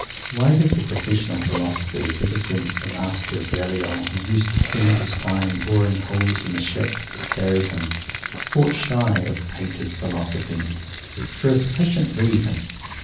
Why have the professional philosophers ever since that Master of Baliol who used to spend his time boring holes in the Ship that carried him "fought shy" of Pater's Philosophy? For a sufficient reason!